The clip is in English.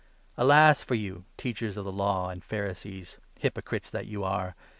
Alas for you, Teachers of the Law and 29 Pharisees, hypocrites that you are